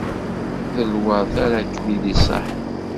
D lweṛt ara ken-id-iṣaḥen.